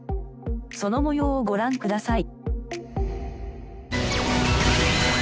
その模様をご覧ください。